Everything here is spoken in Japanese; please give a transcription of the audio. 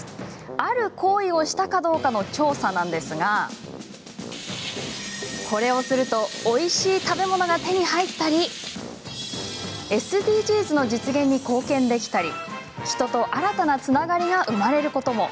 ある行為をしたかどうかの調査なんですがこれをするとおいしい食べ物が手に入ったりＳＤＧｓの実現に貢献できたり人と新たなつながりが生まれることも。